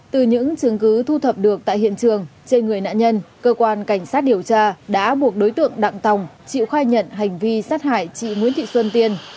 từ những chứng cứ thu thập được tại hiện trường trên người nạn nhân cơ quan cảnh sát điều tra đã buộc đối tượng đặng tòng chịu khai nhận hành vi sát hại chị nguyễn thị xuân tiên